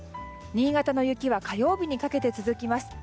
新潟の雪は火曜日にかけて続きます。